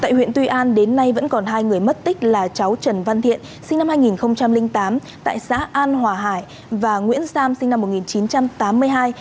tại huyện tuy an đến nay vẫn còn hai người mất tích là cháu trần văn thiện sinh năm hai nghìn tám tại xã an hòa hải và nguyễn sam sinh năm một nghìn chín trăm tám mươi hai tại xã an hòa hải